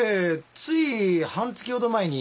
つい半月ほど前に。